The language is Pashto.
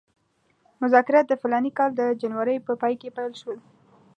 مذاکرات د فلاني کال د جنورۍ په پای کې پیل شول.